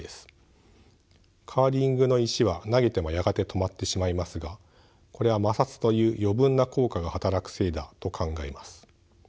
カーリングの石は投げてもやがて止まってしまいますがこれは摩擦という余分な効果が働くせいだと考えます。